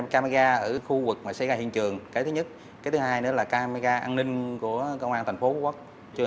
camega ở khu vực mà xây ra hiện trường cái thứ nhất cái thứ hai nữa là camega an ninh của công an thành phố của quốc